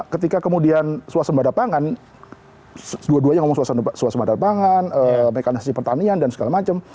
ketika kemudian suasembada pangan dua duanya ngomong suasana pangan mekanisasi pertanian dan segala macam